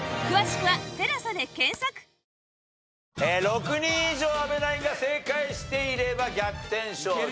６人以上阿部ナインが正解していれば逆転勝利。